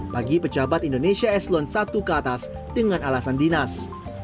bagi pejabat indonesia eslon satu ke atas dengan alasan dinas